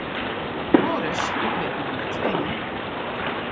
Ho ris, ik lit my net twinge!